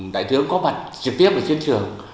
đại tướng có mặt trực tiếp ở chiến trường